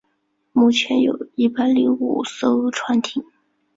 目前有一百零五艘船艇。